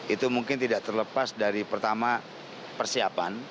itu mungkin tidak terlepas dari pertama persiapan